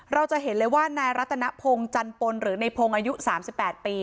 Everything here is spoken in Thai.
เราจะเห็นเลยว่านายรัตนพงศ์จันปนหรือในพงศ์อายุ๓๘ปี